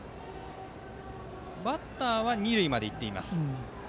バッターは二塁まで行っています。